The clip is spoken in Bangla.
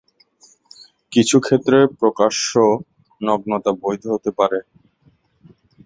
কিছু ক্ষেত্রে প্রকাশ্য নগ্নতা বৈধ হতে পারে।